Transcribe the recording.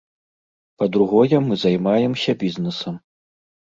Па-другое, мы займаемся бізнэсам.